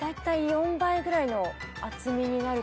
４倍ぐらいの厚みになる？